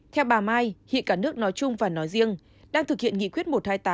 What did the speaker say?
theo bà mai hiện cả nước nói chung và nói riêng đang thực hiện nghị quyết một trăm hai mươi tám